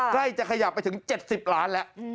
ใกล้จะขยับไปถึง๗๐ล้านแล้ว